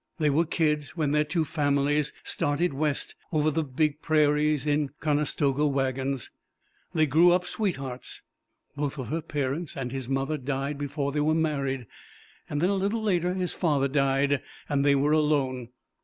They were kids when their two families started West over the big prairies in Conestoga wagons. They grew up sweethearts. Both of her parents, and his mother, died before they were married. Then, a little later, his father died, and they were alone.